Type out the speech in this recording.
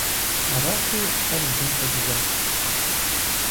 Арати, хьэр лым хэкӀыжащ.